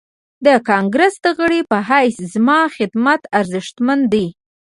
د کانګريس د غړي په حيث زما خدمت ارزښتمن دی.